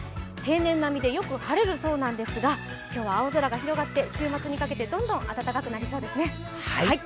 平年並みでよく晴れるそうなんですが、今日は青空が広がって週末にかけてどんどん暖かくなりそうですね。